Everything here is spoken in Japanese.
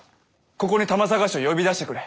ここに魂さがしを呼び出してくれ。